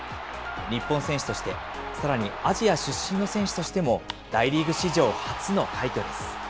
日本選手として、さらにアジア出身の選手としても、大リーグ史上初の快挙です。